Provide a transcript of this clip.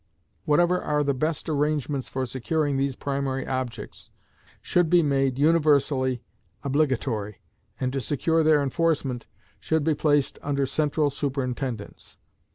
Whatever are the best arrangements for securing these primary objects should be made universally obligatory, and, to secure their enforcement, should be placed under central superintendence.